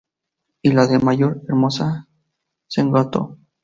Y la de Mayor Hermosa-Sgto.